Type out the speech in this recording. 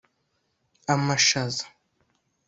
amashaza